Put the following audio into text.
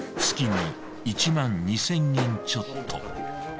月に１万２，０００円ちょっと。